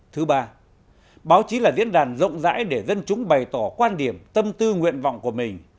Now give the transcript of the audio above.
thứ ba báo chí là diễn đàn rộng rãi để dân chúng bày tỏ quan điểm tâm tư nguyện vọng của mình